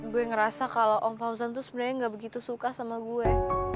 gue ngerasa kalau om fauzan tuh sebenarnya gak begitu suka sama gue